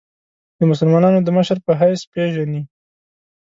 د مسلمانانو د مشر په حیث پېژني.